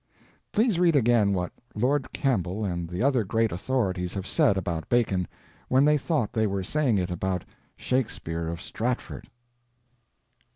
Please read again what Lord Campbell and the other great authorities have said about Bacon when they thought they were saying it about Shakespeare of Stratford.